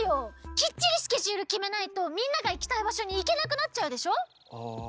きっちりスケジュールきめないとみんながいきたいばしょにいけなくなっちゃうでしょ！